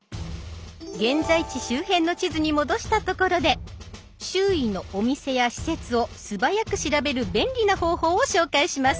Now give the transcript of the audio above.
現在地周辺の地図に戻したところで周囲のお店や施設をすばやく調べる便利な方法を紹介します。